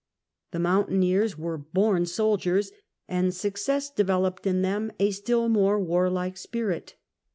The mountaineers were born soldiers and success de veloped in them a still more war like spirit.